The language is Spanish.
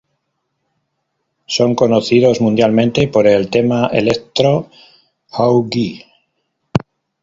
Son conocidos mundialmente por el tema electro "How Gee".